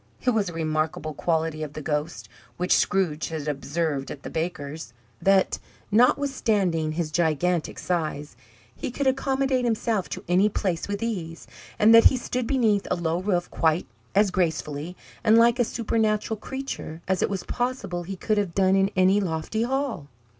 It was a remarkable quality of the Ghost (which Scrooge had observed at the baker's) that, notwithstanding his gigantic size, he could accommodate himself to any place with ease; and that he stood beneath a low roof quite as gracefully, and like a supernatural creature, as it was possible he could have done in any lofty hall.